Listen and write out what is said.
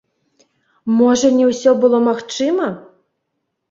Можа, не ўсё было магчыма!